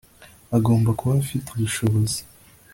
agomba kuba afite ubushobozi